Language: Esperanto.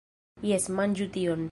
Jes! Manĝu tion!